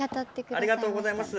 ありがとうございます。